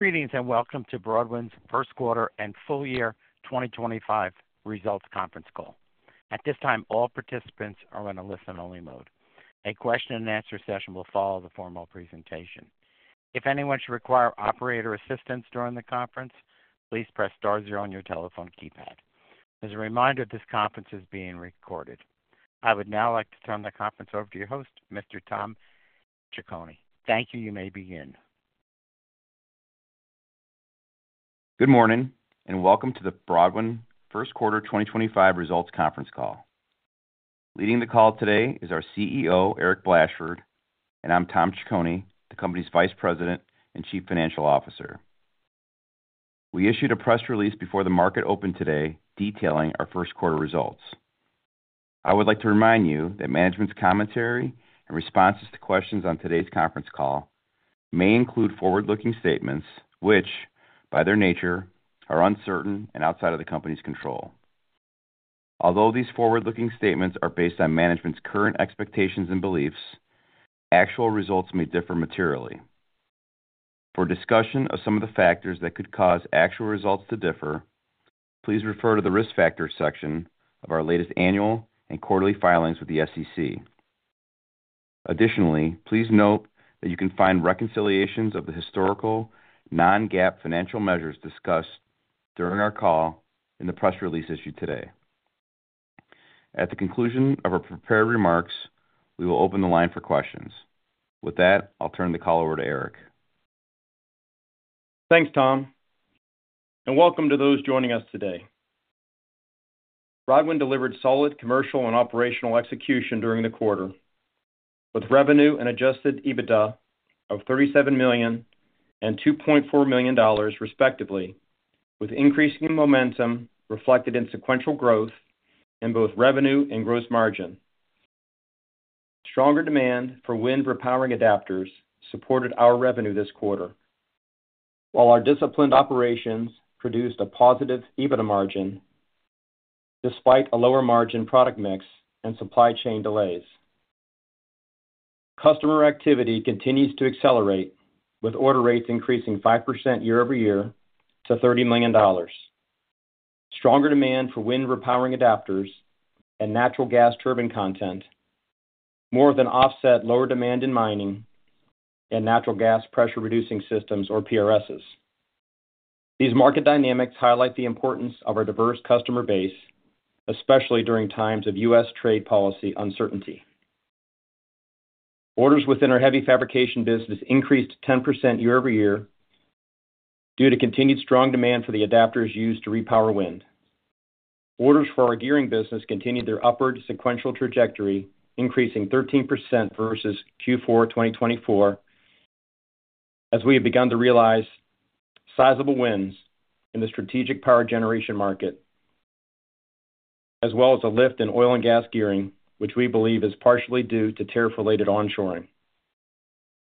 Greetings and welcome to Broadwind's first quarter and full year 2025 results conference call. At this time, all participants are in a listen-only mode. A question-and-answer session will follow the formal presentation. If anyone should require operator assistance during the conference, please press star zero on your telephone keypad. As a reminder, this conference is being recorded. I would now like to turn the conference over to your host, Mr. Tom Ciccone. Thank you. You may begin. Good morning and welcome to the Broadwind first quarter 2025 results conference call. Leading the call today is our CEO, Eric Blashford, and I'm Tom Ciccone, the company's Vice President and Chief Financial Officer. We issued a press release before the market opened today detailing our first quarter results. I would like to remind you that management's commentary and responses to questions on today's conference call may include forward-looking statements which, by their nature, are uncertain and outside of the company's control. Although these forward-looking statements are based on management's current expectations and beliefs, actual results may differ materially. For discussion of some of the factors that could cause actual results to differ, please refer to the risk factor section of our latest annual and quarterly filings with the SEC. Additionally, please note that you can find reconciliations of the historical non-GAAP financial measures discussed during our call in the press release issued today. At the conclusion of our prepared remarks, we will open the line for questions. With that, I'll turn the call over to Eric. Thanks, Tom, and welcome to those joining us today. Broadwind delivered solid commercial and operational execution during the quarter with revenue and adjusted EBITDA of $37 million and $2.4 million, respectively, with increasing momentum reflected in sequential growth in both revenue and gross margin. Stronger demand for wind repowering adapters supported our revenue this quarter, while our disciplined operations produced a positive EBITDA margin despite a lower margin product mix and supply chain delays. Customer activity continues to accelerate, with order rates increasing 5% year-over-year to $30 million. Stronger demand for wind repowering adapters and natural gas turbine content more than offset lower demand in mining and natural gas pressure-reducing systems, or PRSs. These market dynamics highlight the importance of our diverse customer base, especially during times of U.S. trade policy uncertainty. Orders within our heavy fabrication business increased 10% year-over-year due to continued strong demand for the adapters used to repower wind. Orders for our gearing business continued their upward sequential trajectory, increasing 13% versus Q4 2024, as we have begun to realize sizable wins in the strategic power generation market, as well as a lift in oil and gas gearing, which we believe is partially due to tariff-related onshoring.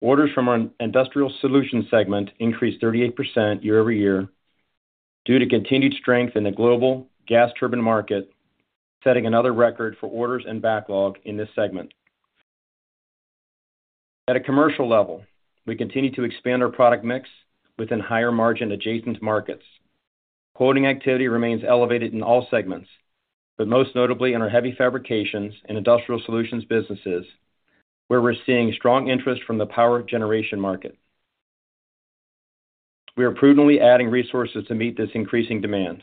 Orders from our industrial solutions segment increased 38% year-over-year due to continued strength in the global gas turbine market, setting another record for orders and backlog in this segment. At a commercial level, we continue to expand our product mix within higher margin adjacent markets. Quoting activity remains elevated in all segments, but most notably in our heavy fabrications and industrial solutions businesses, where we're seeing strong interest from the power generation market. We are prudently adding resources to meet this increasing demand.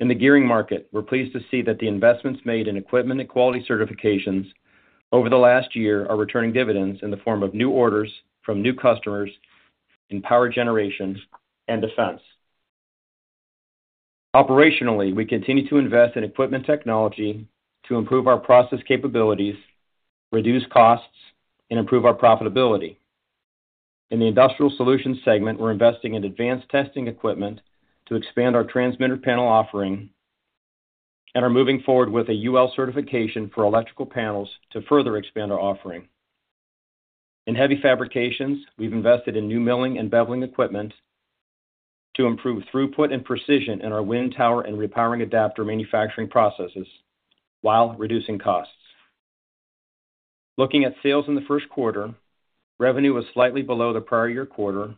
In the gearing market, we're pleased to see that the investments made in equipment and quality certifications over the last year are returning dividends in the form of new orders from new customers in power generation and defense. Operationally, we continue to invest in equipment technology to improve our process capabilities, reduce costs, and improve our profitability. In the industrial solutions segment, we're investing in advanced testing equipment to expand our transmitter panel offering and are moving forward with a UL certification for electrical panels to further expand our offering. In heavy fabrications, we've invested in new milling and beveling equipment to improve throughput and precision in our wind tower and repowering adapter manufacturing processes while reducing costs. Looking at sales in the first quarter, revenue was slightly below the prior year quarter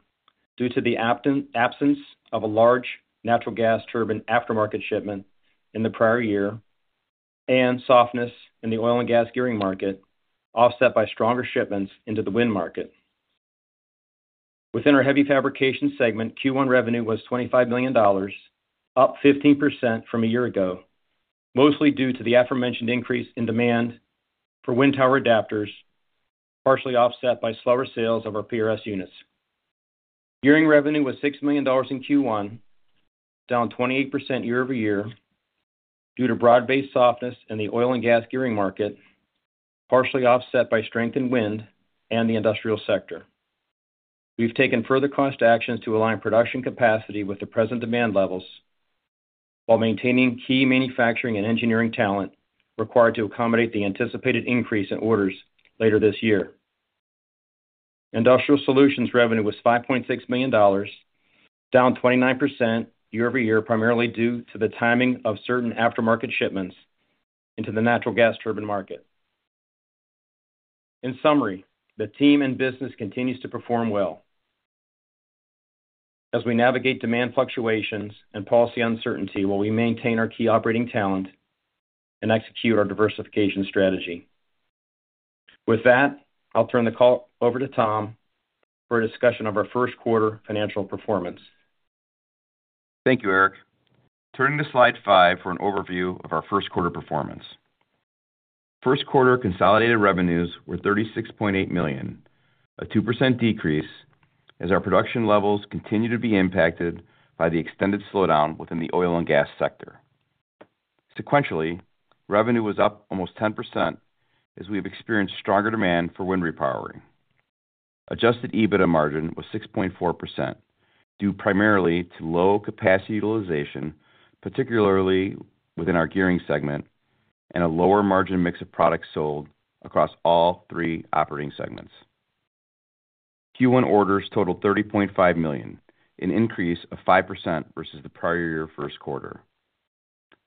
due to the absence of a large natural gas turbine aftermarket shipment in the prior year and softness in the oil and gas gearing market, offset by stronger shipments into the wind market. Within our heavy fabrication segment, Q1 revenue was $25 million, up 15% from a year ago, mostly due to the aforementioned increase in demand for wind tower adapters, partially offset by slower sales of our PRS units. Gearing revenue was $6 million in Q1, down 28% year-over-year due to broad-based softness in the oil and gas gearing market, partially offset by strength in wind and the industrial sector. We've taken further cost actions to align production capacity with the present demand levels while maintaining key manufacturing and engineering talent required to accommodate the anticipated increase in orders later this year. Industrial solutions revenue was $5.6 million, down 29% year-over-year, primarily due to the timing of certain aftermarket shipments into the natural gas turbine market. In summary, the team and business continues to perform well as we navigate demand fluctuations and policy uncertainty while we maintain our key operating talent and execute our diversification strategy. With that, I'll turn the call over to Tom for a discussion of our first quarter financial performance. Thank you, Eric. Turning to slide five for an overview of our first quarter performance. First quarter consolidated revenues were $36.8 million, a 2% decrease as our production levels continue to be impacted by the extended slowdown within the oil and gas sector. Sequentially, revenue was up almost 10% as we've experienced stronger demand for wind repowering. Adjusted EBITDA margin was 6.4% due primarily to low capacity utilization, particularly within our gearing segment, and a lower margin mix of products sold across all three operating segments. Q1 orders totaled $30.5 million, an increase of 5% versus the prior year first quarter.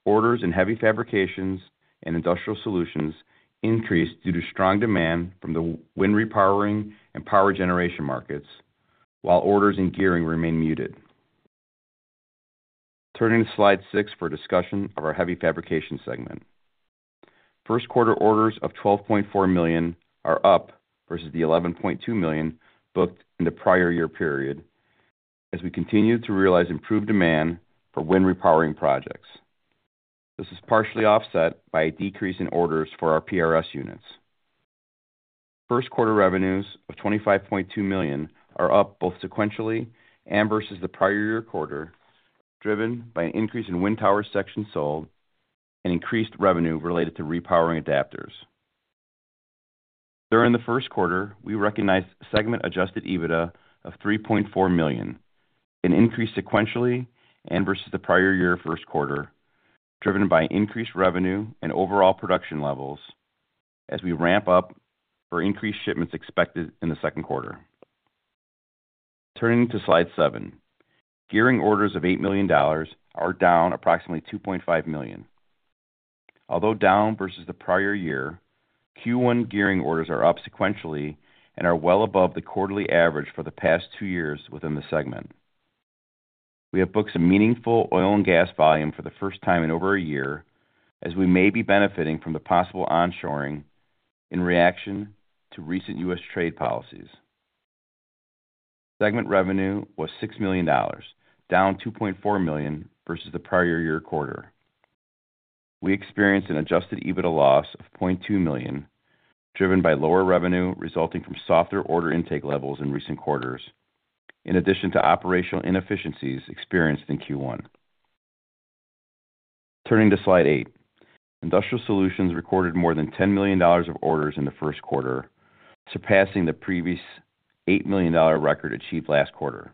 Orders in heavy fabrications and industrial solutions increased due to strong demand from the wind repowering and power generation markets, while orders in gearing remained muted. Turning to slide six for a discussion of our heavy fabrication segment. First quarter orders of $12.4 million are up versus the $11.2 million booked in the prior year period as we continue to realize improved demand for wind repowering projects. This is partially offset by a decrease in orders for our PRS units. First quarter revenues of $25.2 million are up both sequentially and versus the prior year quarter, driven by an increase in wind tower sections sold and increased revenue related to repowering adapters. During the first quarter, we recognized segment-adjusted EBITDA of $3.4 million, an increase sequentially and versus the prior year first quarter, driven by increased revenue and overall production levels as we ramp up for increased shipments expected in the second quarter. Turning to slide seven, gearing orders of $8 million are down approximately $2.5 million. Although down versus the prior year, Q1 gearing orders are up sequentially and are well above the quarterly average for the past two years within the segment. We have booked some meaningful oil and gas volume for the first time in over a year as we may be benefiting from the possible onshoring in reaction to recent U.S. trade policies. Segment revenue was $6 million, down $2.4 million versus the prior year quarter. We experienced an adjusted EBITDA loss of $0.2 million, driven by lower revenue resulting from softer order intake levels in recent quarters, in addition to operational inefficiencies experienced in Q1. Turning to slide eight, industrial solutions recorded more than $10 million of orders in the first quarter, surpassing the previous $8 million record achieved last quarter.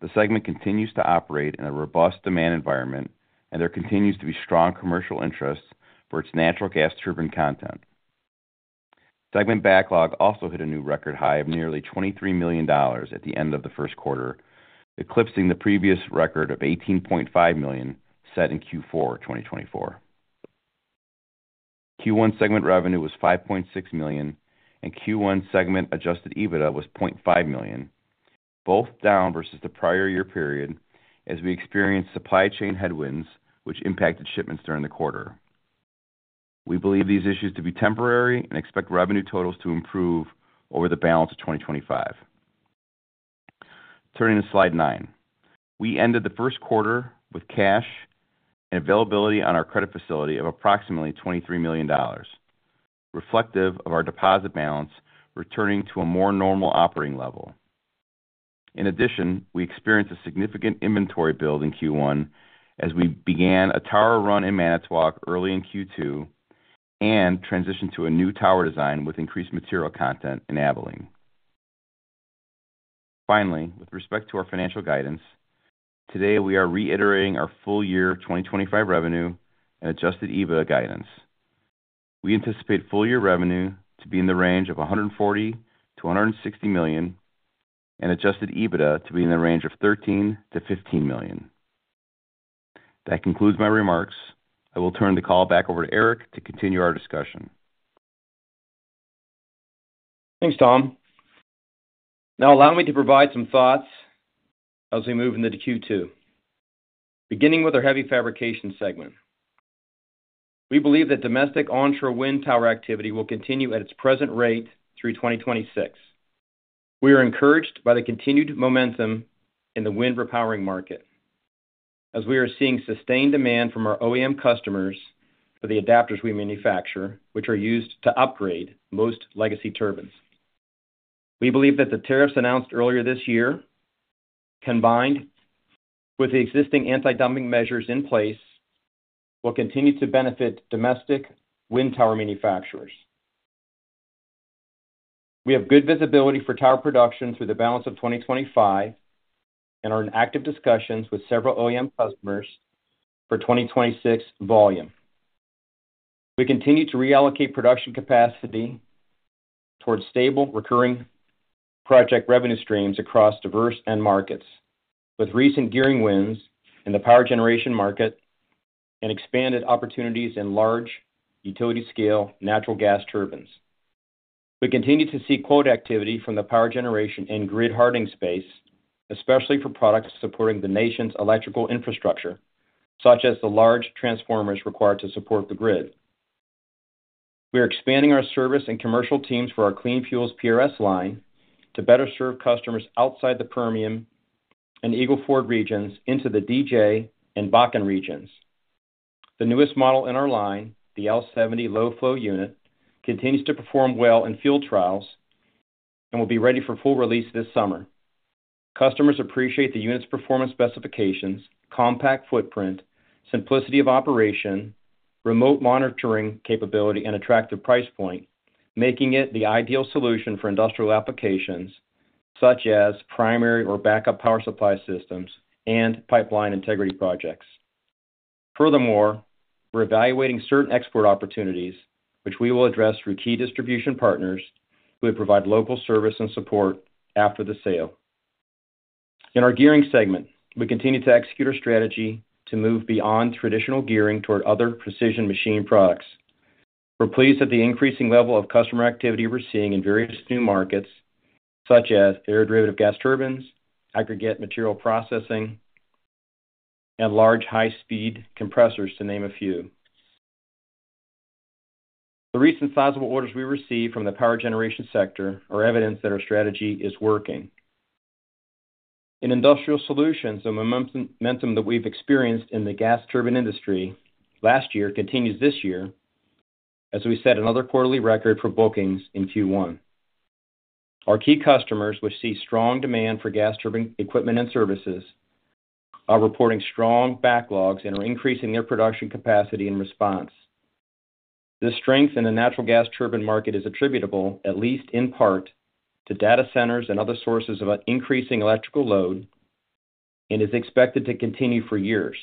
The segment continues to operate in a robust demand environment, and there continues to be strong commercial interest for its natural gas turbine content. Segment backlog also hit a new record high of nearly $23 million at the end of the first quarter, eclipsing the previous record of $18.5 million set in Q4 2024. Q1 segment revenue was $5.6 million, and Q1 segment-adjusted EBITDA was $0.5 million, both down versus the prior year period as we experienced supply chain headwinds, which impacted shipments during the quarter. We believe these issues to be temporary and expect revenue totals to improve over the balance of 2025. Turning to slide nine, we ended the first quarter with cash and availability on our credit facility of approximately $23 million, reflective of our deposit balance returning to a more normal operating level. In addition, we experienced a significant inventory build in Q1 as we began a tower run in Manitowoc early in Q2 and transitioned to a new tower design with increased material content in Abilene. Finally, with respect to our financial guidance, today we are reiterating our full year 2025 revenue and adjusted EBITDA guidance. We anticipate full year revenue to be in the range of $140 million-$160 million and adjusted EBITDA to be in the range of $13 million-$15 million. That concludes my remarks. I will turn the call back over to Eric to continue our discussion. Thanks, Tom. Now, allow me to provide some thoughts as we move into Q2, beginning with our heavy fabrication segment. We believe that domestic onshore wind tower activity will continue at its present rate through 2026. We are encouraged by the continued momentum in the wind-repowering market as we are seeing sustained demand from our OEM customers for the adapters we manufacture, which are used to upgrade most legacy turbines. We believe that the tariffs announced earlier this year, combined with the existing anti-dumping measures in place, will continue to benefit domestic wind tower manufacturers. We have good visibility for tower production through the balance of 2025 and are in active discussions with several OEM customers for 2026 volume. We continue to reallocate production capacity towards stable recurring project revenue streams across diverse end markets, with recent gearing wins in the power generation market and expanded opportunities in large utility-scale natural gas turbines. We continue to see quote activity from the power generation and grid hardening space, especially for products supporting the nation's electrical infrastructure, such as the large transformers required to support the grid. We are expanding our service and commercial teams for our Clean Fuels PRS line to better serve customers outside the Permian and Eagle Ford regions into the DJ and Bakken regions. The newest model in our line, the L-70 low flow unit, continues to perform well in field trials and will be ready for full release this summer. Customers appreciate the unit's performance specifications, compact footprint, simplicity of operation, remote monitoring capability, and attractive price point, making it the ideal solution for industrial applications such as primary or backup power supply systems and pipeline integrity projects. Furthermore, we're evaluating certain export opportunities, which we will address through key distribution partners who will provide local service and support after the sale. In our gearing segment, we continue to execute our strategy to move beyond traditional gearing toward other precision machine products. We're pleased at the increasing level of customer activity we're seeing in various new markets, such as aeroderivative gas turbines, aggregate material processing, and large high-speed compressors, to name a few. The recent sizable orders we received from the power generation sector are evidence that our strategy is working. In industrial solutions, the momentum that we've experienced in the gas turbine industry last year continues this year as we set another quarterly record for bookings in Q1. Our key customers, which see strong demand for gas turbine equipment and services, are reporting strong backlogs and are increasing their production capacity and response. This strength in the natural gas turbine market is attributable, at least in part, to data centers and other sources of increasing electrical load and is expected to continue for years.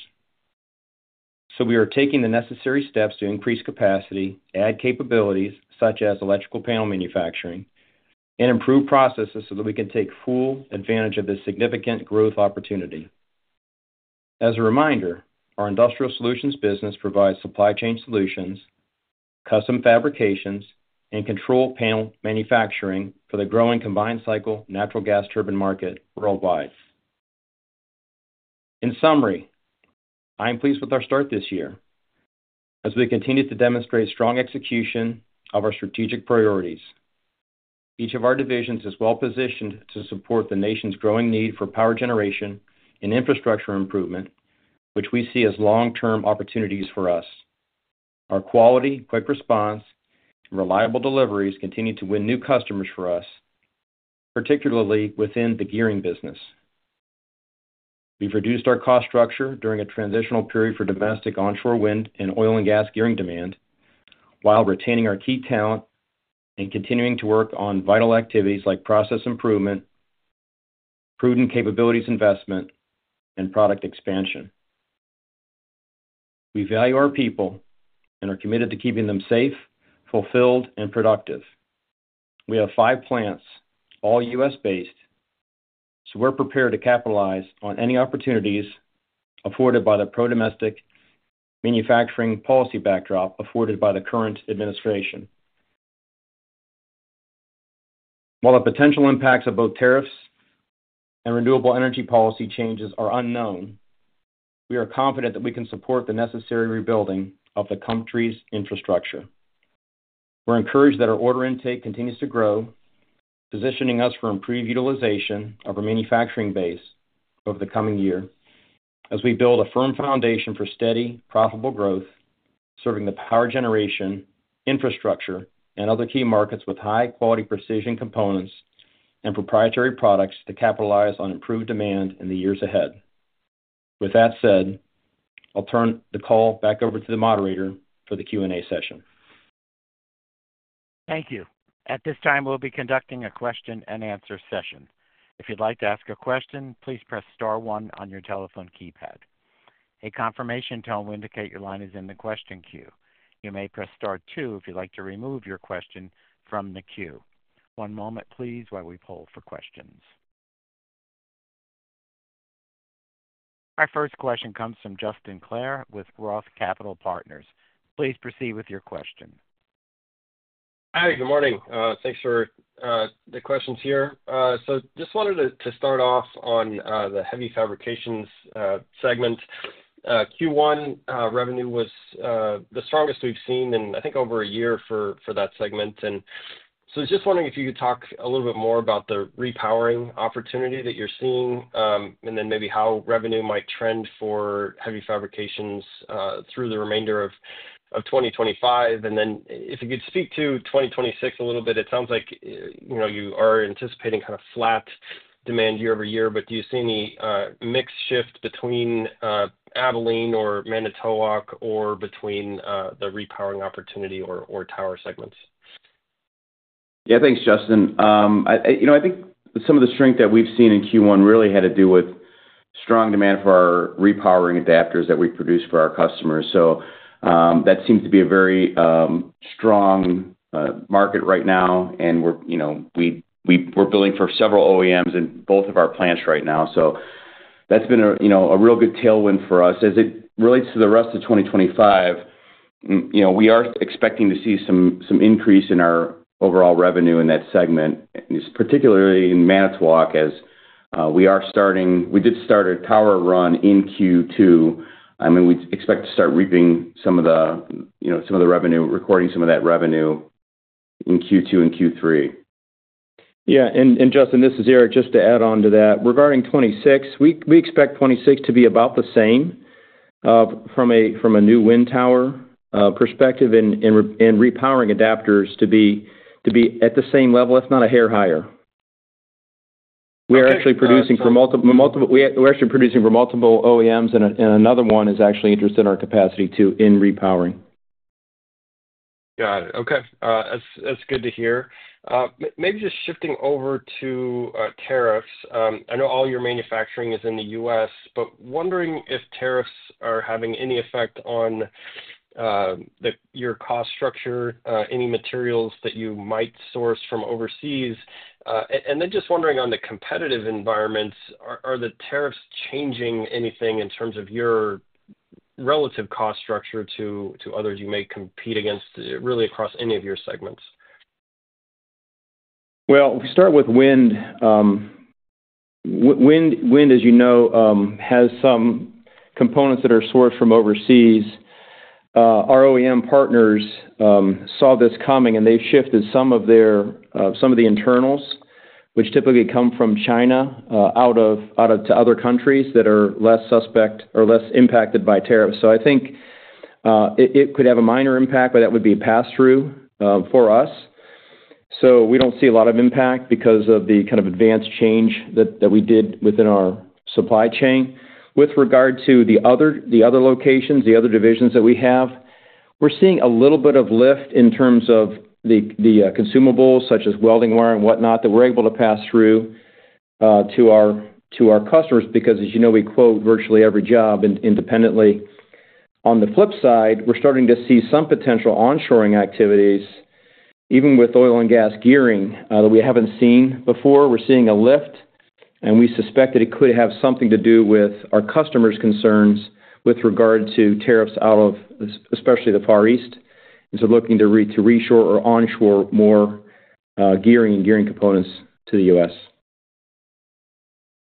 We are taking the necessary steps to increase capacity, add capabilities such as electrical panel manufacturing, and improve processes so that we can take full advantage of this significant growth opportunity. As a reminder, our industrial solutions business provides supply chain solutions, custom fabrications, and control panel manufacturing for the growing combined cycle natural gas turbine market worldwide. In summary, I'm pleased with our start this year as we continue to demonstrate strong execution of our strategic priorities. Each of our divisions is well-positioned to support the nation's growing need for power generation and infrastructure improvement, which we see as long-term opportunities for us. Our quality, quick response, and reliable deliveries continue to win new customers for us, particularly within the gearing business. We've reduced our cost structure during a transitional period for domestic onshore wind and oil and gas gearing demand while retaining our key talent and continuing to work on vital activities like process improvement, prudent capabilities investment, and product expansion. We value our people and are committed to keeping them safe, fulfilled, and productive. We have five plants, all U.S.-based, so we're prepared to capitalize on any opportunities afforded by the pro-domestic manufacturing policy backdrop afforded by the current administration. While the potential impacts of both tariffs and renewable energy policy changes are unknown, we are confident that we can support the necessary rebuilding of the country's infrastructure. We're encouraged that our order intake continues to grow, positioning us for improved utilization of our manufacturing base over the coming year as we build a firm foundation for steady, profitable growth, serving the power generation infrastructure and other key markets with high-quality precision components and proprietary products to capitalize on improved demand in the years ahead. With that said, I'll turn the call back over to the moderator for the Q&A session. Thank you. At this time, we'll be conducting a question-and-answer session. If you'd like to ask a question, please press star one on your telephone keypad. A confirmation tone will indicate your line is in the question queue. You may press star two if you'd like to remove your question from the queue. One moment, please, while we poll for questions. Our first question comes from Justin Clare with ROTH Capital Partners. Please proceed with your question. Hi, good morning. Thanks for the questions here. Just wanted to start off on the heavy fabrications segment. Q1 revenue was the strongest we've seen in, I think, over a year for that segment. Just wondering if you could talk a little bit more about the repowering opportunity that you're seeing and then maybe how revenue might trend for heavy fabrications through the remainder of 2025. If you could speak to 2026 a little bit, it sounds like you are anticipating kind of flat demand year-over-year, but do you see any mixed shift between Abilene or Manitowoc or between the repowering opportunity or tower segments? Yeah, thanks, Justin. I think some of the strength that we've seen in Q1 really had to do with strong demand for our repowering adapters that we produce for our customers. That seems to be a very strong market right now, and we're building for several OEMs in both of our plants right now. That's been a real good tailwind for us. As it relates to the rest of 2025, we are expecting to see some increase in our overall revenue in that segment, particularly in Manitowoc, as we did start a tower run in Q2. I mean, we expect to start reaping some of the revenue, recording some of that revenue in Q2 and Q3. Yeah. Justin, this is Eric, just to add on to that. Regarding 2026, we expect 2026 to be about the same from a new wind tower perspective and repowering adapters to be at the same level, if not a hair higher. We are actually producing for multiple—we're actually producing for multiple OEMs, and another one is actually interested in our capacity too in repowering. Got it. Okay. That's good to hear. Maybe just shifting over to tariffs. I know all your manufacturing is in the U.S., but wondering if tariffs are having any effect on your cost structure, any materials that you might source from overseas. And then just wondering on the competitive environments, are the tariffs changing anything in terms of your relative cost structure to others you may compete against really across any of your segments? We start with wind. Wind, as you know, has some components that are sourced from overseas. Our OEM partners saw this coming, and they've shifted some of the internals, which typically come from China, out to other countries that are less suspect or less impacted by tariffs. I think it could have a minor impact, but that would be a pass-through for us. We do not see a lot of impact because of the kind of advanced change that we did within our supply chain. With regard to the other locations, the other divisions that we have, we're seeing a little bit of lift in terms of the consumables such as welding wire and whatnot that we're able to pass through to our customers because, as you know, we quote virtually every job independently. On the flip side, we're starting to see some potential onshoring activities, even with oil and gas gearing, that we haven't seen before. We're seeing a lift, and we suspect that it could have something to do with our customers' concerns with regard to tariffs out of especially the Far East. Looking to reshore or onshore more gearing and gearing components to the U.S.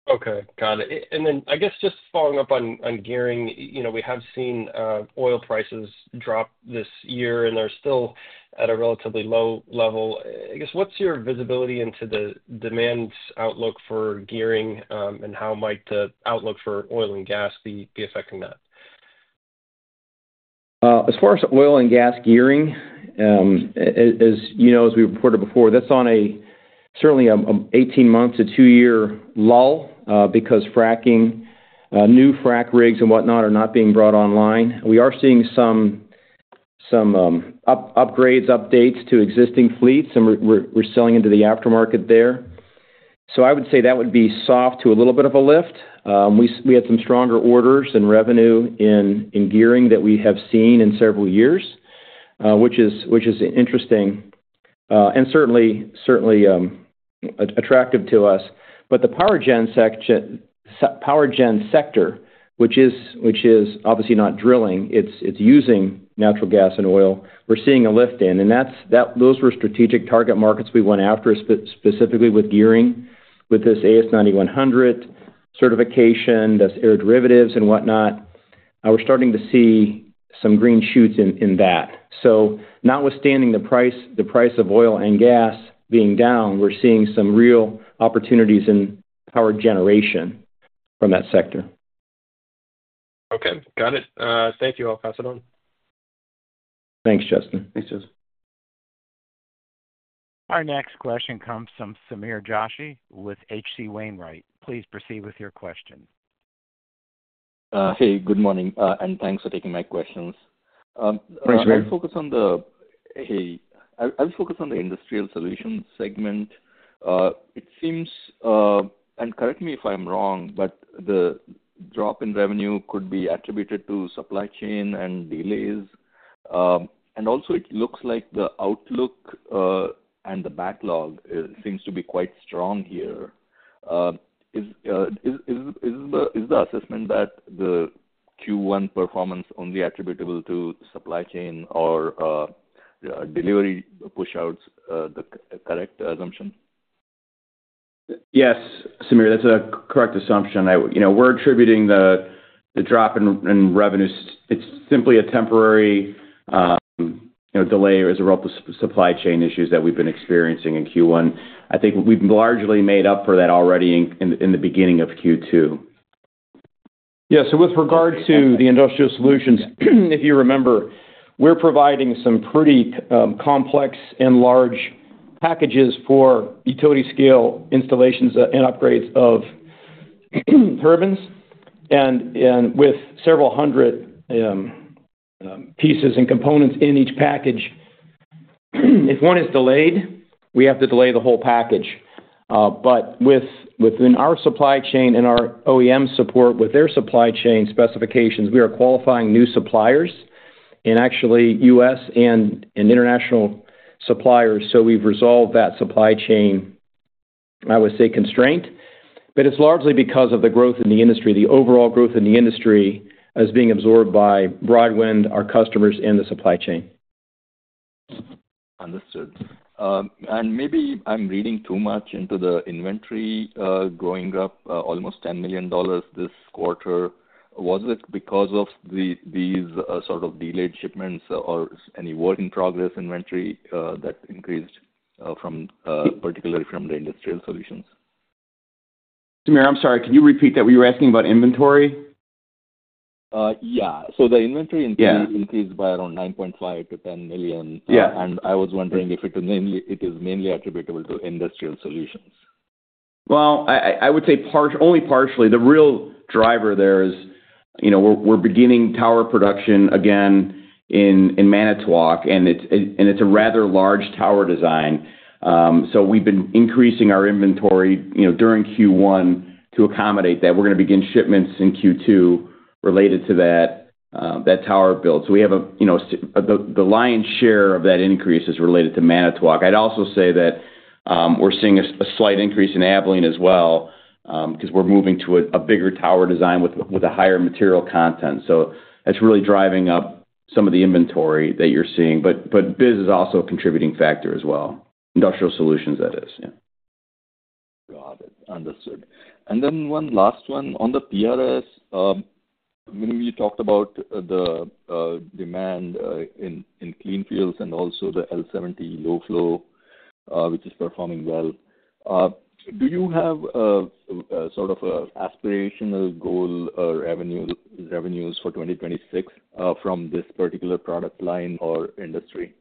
Okay. Got it. I guess just following up on gearing, we have seen oil prices drop this year, and they're still at a relatively low level. I guess what's your visibility into the demand outlook for gearing, and how might the outlook for oil and gas be affecting that? As far as oil and gas gearing, as you know, as we reported before, that's on certainly an 18-month to two-year lull because fracking, new frack rigs, and whatnot are not being brought online. We are seeing some upgrades, updates to existing fleets, and we're selling into the aftermarket there. I would say that would be soft to a little bit of a lift. We had some stronger orders and revenue in gearing than we have seen in several years, which is interesting and certainly attractive to us. The power gen sector, which is obviously not drilling, it's using natural gas and oil, we're seeing a lift in. Those were strategic target markets we went after specifically with gearing, with this AS9100 certification, that's aeroderivatives and whatnot. We're starting to see some green shoots in that. Notwithstanding the price of oil and gas being down, we're seeing some real opportunities in power generation from that sector. Okay. Got it. Thank you all. Pass it on. Thanks, Justin. Thanks, Justin. Our next question comes from Samir Joshi with H.C. Wainwright. Please proceed with your question. Hey, good morning, and thanks for taking my questions. I'll focus on the—I’ll focus on the industrial solutions segment. It seems—and correct me if I'm wrong—but the drop in revenue could be attributed to supply chain and delays. Also, it looks like the outlook and the backlog seems to be quite strong here. Is the assessment that the Q1 performance only attributable to supply chain or delivery push-outs the correct assumption? Yes, Samir, that's a correct assumption. We're attributing the drop in revenue. It's simply a temporary delay as a result of supply chain issues that we've been experiencing in Q1. I think we've largely made up for that already in the beginning of Q2. Yeah. With regard to the industrial solutions, if you remember, we're providing some pretty complex and large packages for utility-scale installations and upgrades of turbines, and with several hundred pieces and components in each package, if one is delayed, we have to delay the whole package. Within our supply chain and our OEM support with their supply chain specifications, we are qualifying new suppliers in actually U.S. and international suppliers. We've resolved that supply chain, I would say, constraint. It's largely because of the growth in the industry, the overall growth in the industry as being absorbed by Broadwind, our customers, and the supply chain. Understood. Maybe I'm reading too much into the inventory going up almost $10 million this quarter. Was it because of these sort of delayed shipments or any work in progress inventory that increased particularly from the industrial solutions? Samir, I'm sorry. Can you repeat that? Were you asking about inventory? Yeah. So the inventory increased by around $9.5 million to $10 million. And I was wondering if it is mainly attributable to industrial solutions. I would say only partially. The real driver there is we're beginning tower production again in Manitowoc, and it's a rather large tower design. We've been increasing our inventory during Q1 to accommodate that. We're going to begin shipments in Q2 related to that tower build. The lion's share of that increase is related to Manitowoc. I'd also say that we're seeing a slight increase in Abilene as well because we're moving to a bigger tower design with a higher material content. That's really driving up some of the inventory that you're seeing. Biz is also a contributing factor as well. Industrial solutions, that is. Yeah. Got it. Understood. And then one last one. On the PRS, I mean, we talked about the demand in clean fields and also the L-70 low flow, which is performing well. Do you have sort of aspirational goal revenues for 2026 from this particular product line or industry?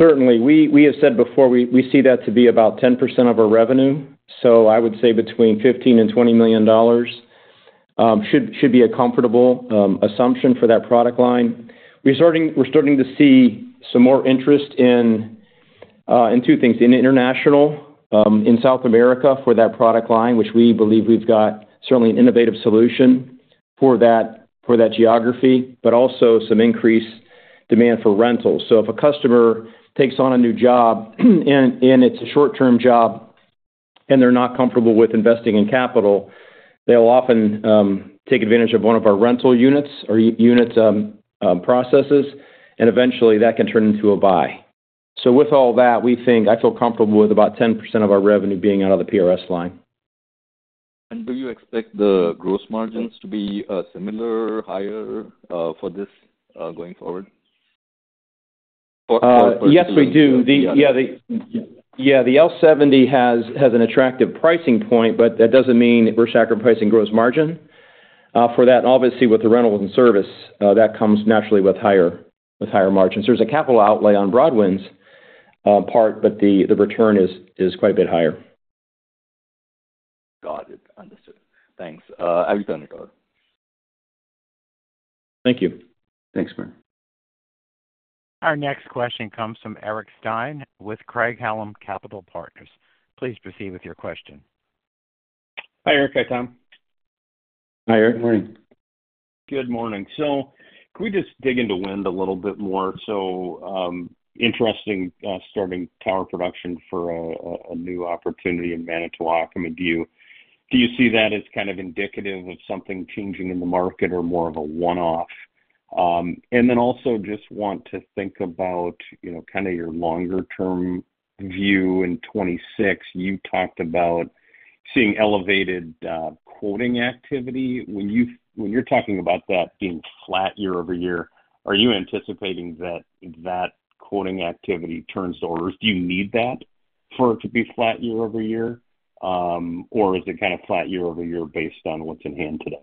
Certainly. We have said before we see that to be about 10% of our revenue. I would say between $15 million and $20 million should be a comfortable assumption for that product line. We're starting to see some more interest in two things: in international, in South America for that product line, which we believe we've got certainly an innovative solution for that geography, but also some increased demand for rentals. If a customer takes on a new job, and it's a short-term job, and they're not comfortable with investing in capital, they'll often take advantage of one of our rental units or unit processes, and eventually, that can turn into a buy. With all that, I feel comfortable with about 10% of our revenue being out of the PRS line. Do you expect the gross margins to be similar, higher for this going forward? Yes, we do. Yeah. The L-70 has an attractive pricing point, but that does not mean we are sacrificing gross margin for that. Obviously, with the rental and service, that comes naturally with higher margins. There is a capital outlay on Broadwind's part, but the return is quite a bit higher. Got it. Understood. Thanks. I'll pass it on. Thank you. Thanks, Samir. Our next question comes from Eric Stine with Craig-Hallum Capital Partners. Please proceed with your question. Hi, Eric. Hi, Tom. Hi, Eric. Good morning. Good morning. Can we just dig into wind a little bit more? Interesting starting tower production for a new opportunity in Manitowoc. I mean, do you see that as kind of indicative of something changing in the market or more of a one-off? Also, just want to think about kind of your longer-term view in 2026. You talked about seeing elevated quoting activity. When you're talking about that being flat year-over-year, are you anticipating that that quoting activity turns to orders? Do you need that for it to be flat year-over-year, or is it kind of flat year-over-year based on what's in hand today?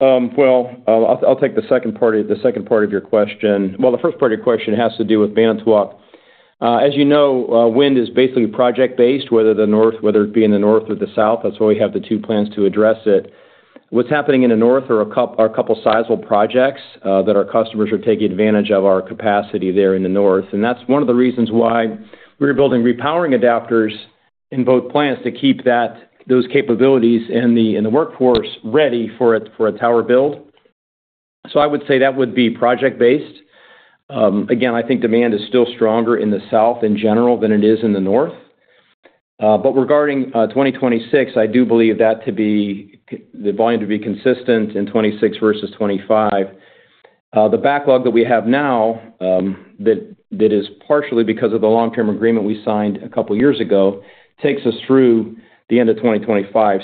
I'll take the second part of your question. The first part of your question has to do with Manitowoc. As you know, wind is basically project-based, whether it be in the north or the south. That's why we have the two plants to address it. What's happening in the north are a couple of sizable projects that our customers are taking advantage of our capacity there in the north. That's one of the reasons why we're building repowering adapters in both plants to keep those capabilities and the workforce ready for a tower build. I would say that would be project-based. I think demand is still stronger in the south in general than it is in the north. Regarding 2026, I do believe that the volume to be consistent in 2026 versus 2025. The backlog that we have now, that is partially because of the long-term agreement we signed a couple of years ago, takes us through the end of 2025.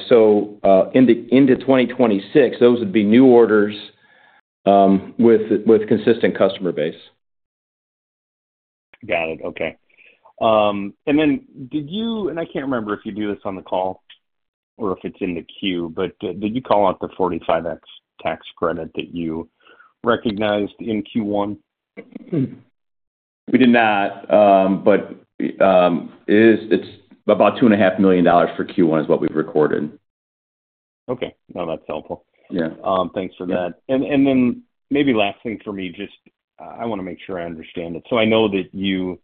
Into 2026, those would be new orders with consistent customer base. Got it. Okay. Did you—and I can't remember if you do this on the call or if it's in the queue—but did you call out the 45X tax credit that you recognized in Q1? We did not, but it's about $2.5 million for Q1 is what we've recorded. Okay. No, that's helpful. Thanks for that. Then maybe last thing for me, just I want to make sure I understand it. I know that you had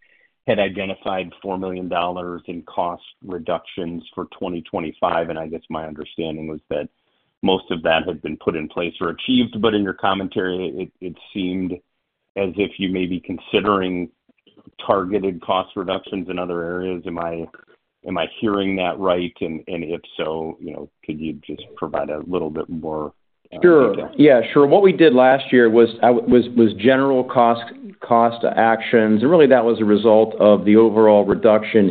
identified $4 million in cost reductions for 2025, and I guess my understanding was that most of that had been put in place or achieved. In your commentary, it seemed as if you may be considering targeted cost reductions in other areas. Am I hearing that right? If so, could you just provide a little bit more detail? Sure. Yeah, sure. What we did last year was general cost actions. And really, that was a result of the overall reduction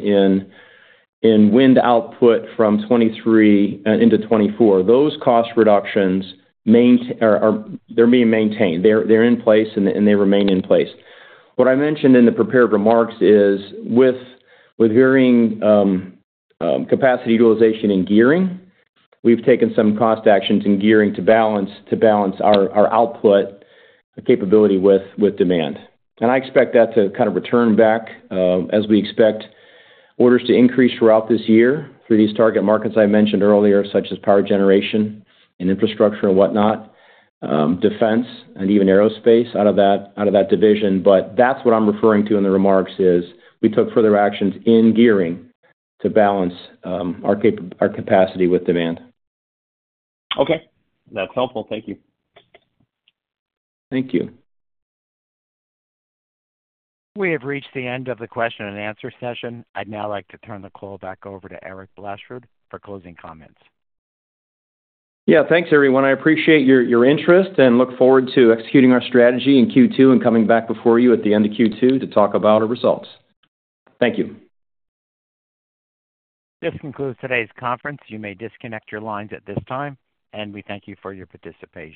in wind output from 2023 into 2024. Those cost reductions, they're being maintained. They're in place, and they remain in place. What I mentioned in the prepared remarks is with varying capacity utilization in gearing, we've taken some cost actions in gearing to balance our output capability with demand. I expect that to kind of return back as we expect orders to increase throughout this year through these target markets I mentioned earlier, such as power generation and infrastructure and whatnot, defense, and even aerospace out of that division. That's what I'm referring to in the remarks is we took further actions in gearing to balance our capacity with demand. Okay. That's helpful. Thank you. Thank you. We have reached the end of the question and answer session. I'd now like to turn the call back over to Eric Blashford for closing comments. Yeah. Thanks, everyone. I appreciate your interest and look forward to executing our strategy in Q2 and coming back before you at the end of Q2 to talk about our results. Thank you. This concludes today's conference. You may disconnect your lines at this time, and we thank you for your participation.